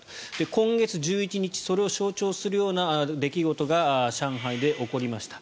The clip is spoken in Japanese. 今月１１日それを象徴するような出来事が上海で起こりました。